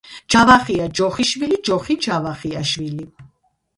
ჯავახია ჯოხიშვილი ჯოხი ჯავახიაშვილი.